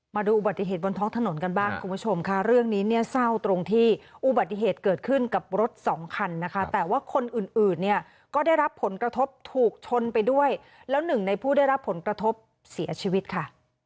มาดูอุบัติเหตุบนท้องถนนกันบ้างคุณผู้ชมค่ะเรื่องนี้เนี่ยเศร้าตรงที่อุบัติเหตุเกิดขึ้นกับรถสองคันนะคะแต่ว่าคนอื่นอื่นเนี่ยก็ได้รับผลกระทบถูกชนไปด้วยแล้วหนึ่งในผู้ได้รับผลกระทบเสียชีวิตค่ะ